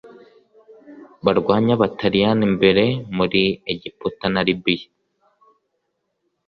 barwanye abataliyani mbere muri egiputa na libiya